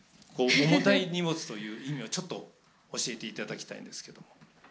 「重たい荷物」という意味をちょっと教えていただきたいんですけども。